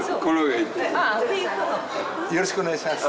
よろしくお願いします。